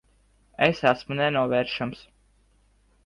Es esmu nenovēršams.